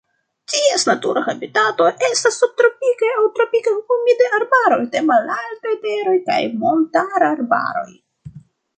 Ties natura habitato estas subtropikaj aŭ tropikaj humidaj arbaroj de malaltaj teroj kaj montararbaroj.